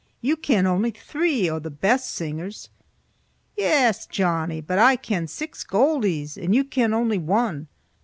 You ken only three o' the best singers." "Yes, Johnnie, but I ken six goldies and you ken only one.